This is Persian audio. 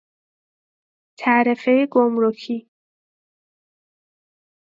تعرفۀ گمرکی